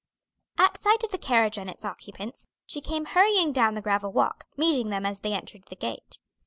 At sight of the carriage and its occupants, she came hurrying down the gravel walk, meeting them as they entered the gate.